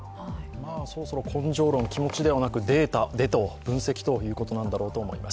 そろそろ根性論、気持ちではなくデータで分析ということなんだろうと思います。